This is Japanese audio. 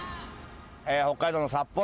北海道の札幌。